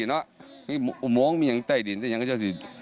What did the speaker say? เนี่ยค่ะ